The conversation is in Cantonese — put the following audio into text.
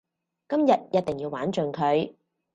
今日一定要玩盡佢